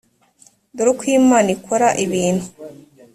dore uko imana ikora ibintu